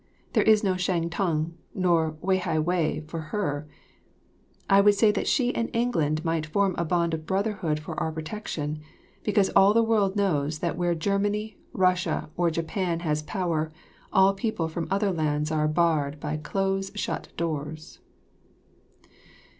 There is no Shang tung nor Wei hai wei for her. I would that she and England might form a bond of brotherhood for our protection; because all the world knows that where Germany, Russia, or Japan has power, all people from other lands are barred by close shut doors.